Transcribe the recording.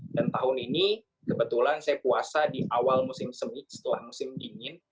dan tahun ini kebetulan saya puasa di awal musim semi setelah musim dingin